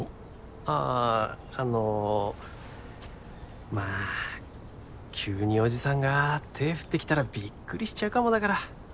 あぁあのまぁ急におじさんが手振ってきたらビックリしちゃうかもだから。